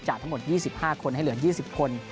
ทั้งหมด๒๕คนให้เหลือ๒๐คน